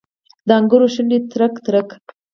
د انګورو شونډې ترک، ترک